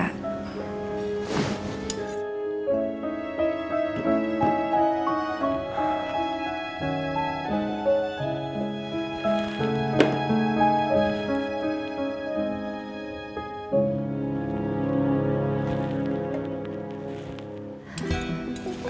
tak ada masalah